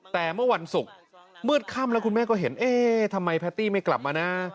แต่เมื่อวันศุกร์มืดค่ำแล้วคุณแม่ก็เห็นเอ๊ะทำไมแพตตี้ไม่กลับมานะ